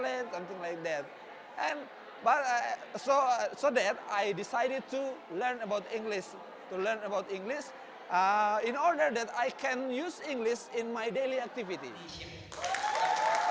agar saya bisa menggunakan bahasa inggris dalam aktivitas sehari hari saya